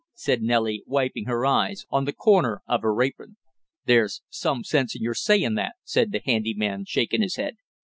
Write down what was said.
said Nellie, wiping her eyes on the corner of her apron. "There's some sense in your sayin' that," said the handy man, shaking his head.